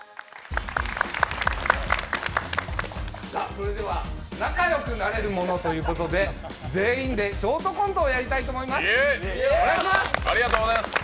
それでは、仲良くなれるものということで全員でショートコントをやりたいと思います、お願いします。